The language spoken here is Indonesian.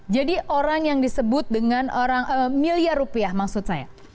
jadi orang yang disebut dengan miliar rupiah maksud saya